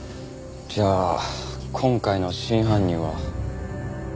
じゃあ今回の真犯人は。